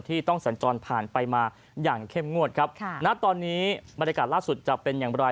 ต้องสัญจรผ่านไปมาอย่างเข้มงวดครับค่ะณตอนนี้บรรยากาศล่าสุดจะเป็นอย่างไร